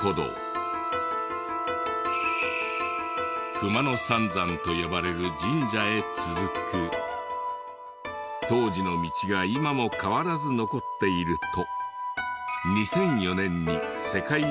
熊野三山と呼ばれる神社へ続く当時の道が今も変わらず残っていると。